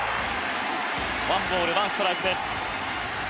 ワンボールワンストライクです。